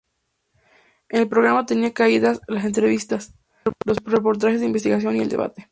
En el programa tenían cabida las entrevistas, los reportajes de investigación y el debate.